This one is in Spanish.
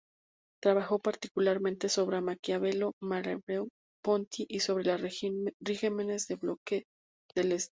Trabajó particularmente sobre Maquiavelo, Merleau-Ponty y sobre los regímenes del bloque del Este.